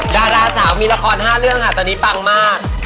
ดาราสาวมีละคร๕เรื่องค่ะตอนนี้ปังมาก